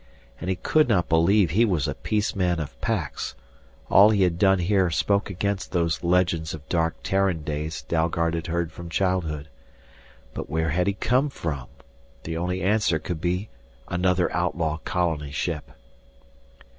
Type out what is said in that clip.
And he could not believe he was a Peaceman of Pax all he had done here spoke against those legends of dark Terran days Dalgard had heard from childhood. But where had he come from? The only answer could be another outlaw colony ship.